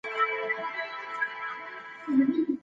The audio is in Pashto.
ما غوښتل چې د کلي په شنو پټیو کې لږ پیاده وګرځم.